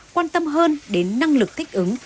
quan tâm hơn đến năng lực thích ứng